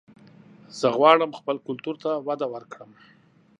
زه غواړم خپل کلتور ته وده ورکړم